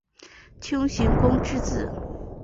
丘行恭之子。